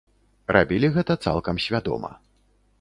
Рабілі гэта цалкам свядома.